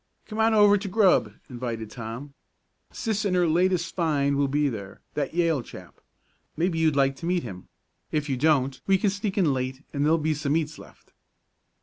"Come on over to grub," invited Tom. "Sis and her latest find will be there that Yale chap. Maybe you'd like to meet him. If you don't we can sneak in late and there'll be some eats left."